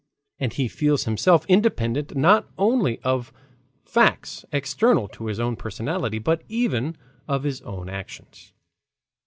And he feels himself independent not only of facts external to his own personality, but even of his own actions.